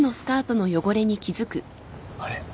あれ？